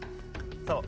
そう。